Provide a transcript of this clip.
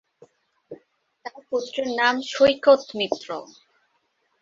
তার পুত্রের নাম সৈকত মিত্র।